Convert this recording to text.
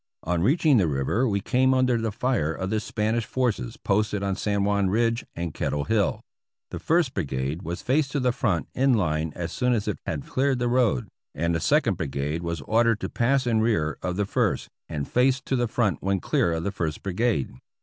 On reaching the river we came under the fire of the Spanish forces posted on San Juan Ridge and Kettle Hill. The First Brigade was faced to the front in line as soon as it had cleared the road, and the Second Brigade was ordered to pass in rear of the first, and face to the front when clear of the First Brigade.